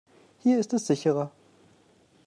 Hier ist es sicherer.